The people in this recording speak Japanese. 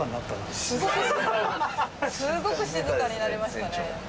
すごく静かになりましたね。